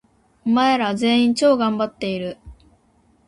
お前ら、全員、超がんばっている！！！